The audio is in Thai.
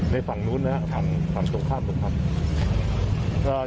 ในฝั่งนู้นฝั่งตรงข้ามโรงพักษณ์